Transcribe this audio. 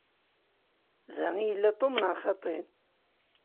Da i yella Tom, neɣ xaṭi?